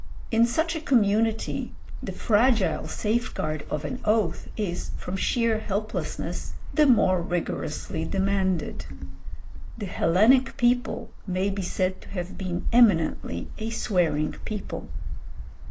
In such a community the fragile safeguard of an oath is, from sheer helplessness, the more rigorously demanded. The Hellenic people may be said to have been eminently a swearing people.